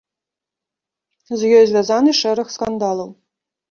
З ёй звязаны шэраг скандалаў.